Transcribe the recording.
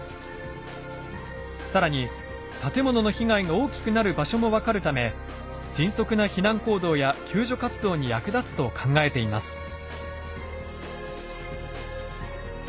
更に建物の被害が大きくなる場所も分かるため迅速な避難行動や救助活動に役立つと考えています。